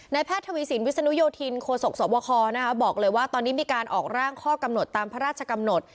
แพทย์ทวีสินวิศนุโยธินโคศกสวบคบอกเลยว่าตอนนี้มีการออกร่างข้อกำหนดตามพระราชกำหนด